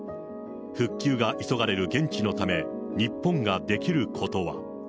復旧が急がれる現地のため、日本ができることは。